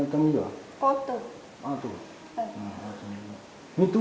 không có chốt dalam lút